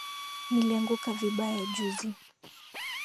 Nilianguka vibaya juzi